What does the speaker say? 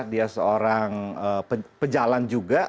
dia seorang pejalan juga